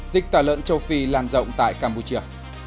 dịch tà lợn châu phi lan rộng tại campuchia